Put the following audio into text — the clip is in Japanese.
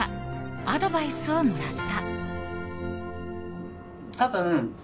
アドバイスをもらった。